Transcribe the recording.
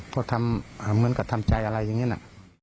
ก็ทำเหมือนกับทำใจอะไรอย่างนี้นะ